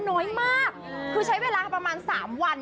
น้อยมักพื้นใช้เวลาคือประมาณ๓วัน